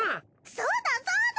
そうだそうだ。